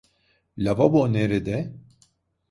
Lavabo nerede?